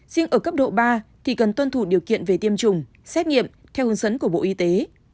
riêng ở cấp độ ba thì cần tuân thủ điều kiện về tiêm chủng xét nghiệm theo hướng dẫn của bộ y tế